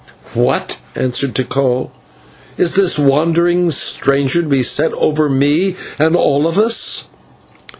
"What?" answered Tikal. "Is this wandering stranger to be set over me and all of us?"